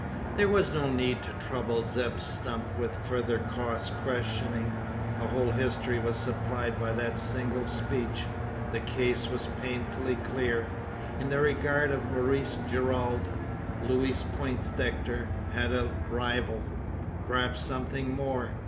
There was no need to trouble Zeb Stump with further cross questioning. A whole history was supplied by that single speech. The case was painfully clear. In the regard of Maurice Gerald, Louise Poindexter had a rival perhaps something more.